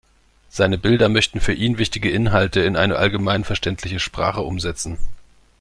Seine Bilder möchten für ihn wichtige Inhalte in eine allgemein verständliche Sprache umsetzen.